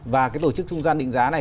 và cái tổ chức trung gian định giá này